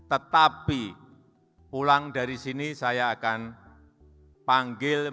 tetapi pulang dari sini saya akan panggil